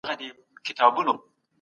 هغه په ډېر دقت خپل کار کاوه.